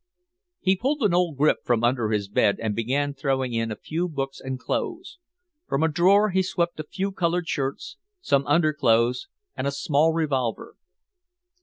He pulled an old grip from under his bed and began throwing in a few books and clothes. From a drawer he swept a few colored shirts, some underclothes and a small revolver.